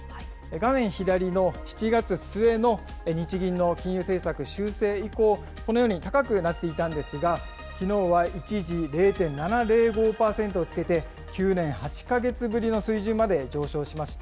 画面左の７月末の日銀の金融政策修正以降、このように高くなっていたんですが、きのうは一時、０．７０５％をつけて、９年８か月ぶりの水準まで上昇しました。